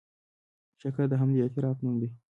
شکر د همدې اعتراف نوم دی.